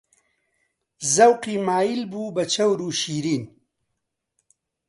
زەوقی مایل بوو بە چەور و شیرین